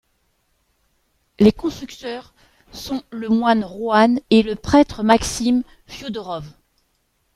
Les constructeurs sont le moine Johan et le prêtre Maxime Fiodorov.